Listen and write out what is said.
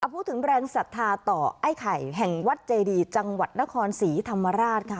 พูดถึงแรงศรัทธาต่อไอ้ไข่แห่งวัดเจดีจังหวัดนครศรีธรรมราชค่ะ